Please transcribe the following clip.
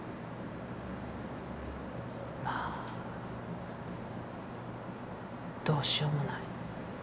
まあどうしようもない。